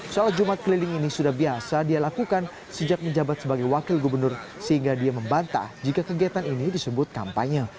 sholat jumat keliling ini sudah biasa dia lakukan sejak menjabat sebagai wakil gubernur sehingga dia membantah jika kegiatan ini disebut kampanye